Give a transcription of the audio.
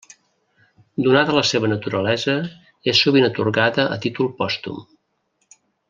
Donada la seva naturalesa, és sovint atorgada a títol pòstum.